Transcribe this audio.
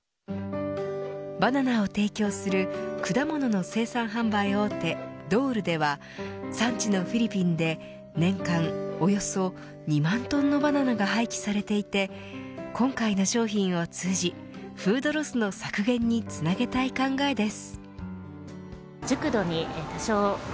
バナナを提供する果物の生産販売大手ドールでは産地のフィリピンで年間およそ２万トンのバナナが廃棄されていて今回の商品を通じフードロスの削減につなげたい考えです。